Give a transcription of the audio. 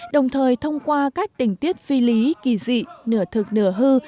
đồng thời thông qua các tình tiết phi lý kỳ dị nửa thực nửa hư